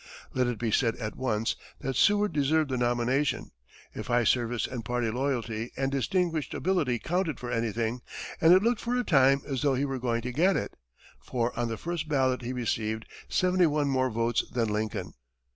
Let it be said, at once, that Seward deserved the nomination, if high service and party loyalty and distinguished ability counted for anything, and it looked for a time as though he were going to get it, for on the first ballot he received 71 more votes than Lincoln.